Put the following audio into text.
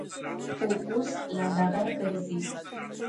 خو اوس لنډغر گرځي.